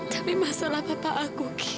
tapi masalah papa aku ki